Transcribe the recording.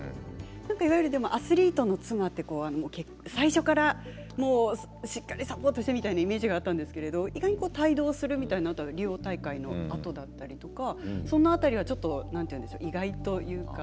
いわゆるアスリートの妻は最初からしっかりサポートしてみたいなイメージだったんですけれども意外と帯同するとかはリオ大会のあとだったりとかその辺りは意外というか。